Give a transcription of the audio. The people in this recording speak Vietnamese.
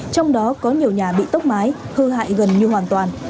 trong đó có nhiều nhà bị tốc mái hư hại gần như hoàn toàn